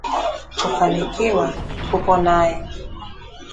kufanikiwa kupo naye